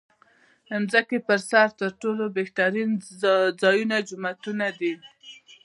د ځمکې پر سر تر ټولو بهترین ځایونه جوماتونه دی .